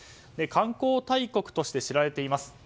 観光大国として知られています。